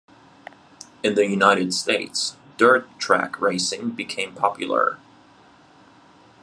In the United States, dirt track racing became popular.